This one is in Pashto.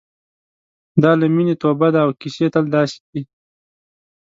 دا له مینې توبه ده او کیسې تل داسې دي.